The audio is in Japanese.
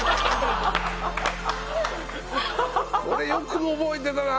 これよく覚えてたな。